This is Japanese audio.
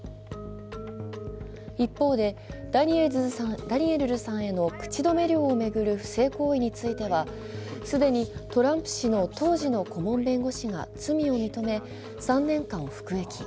一方で、ダニエルズさんへの口止め料を巡る不正行為については既にトランプ氏の当時の顧問弁護士が罪を認め、３年間服役。